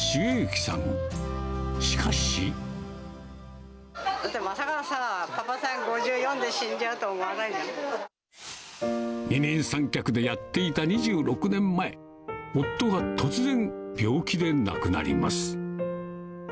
まさかさ、パパが５４で死ん二人三脚でやっていた２６年前、夫が突然、病気で亡くなります。